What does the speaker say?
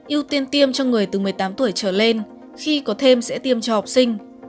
ưu tiên tiêm cho người từ một mươi tám tuổi trở lên khi có thêm sẽ tiêm cho học sinh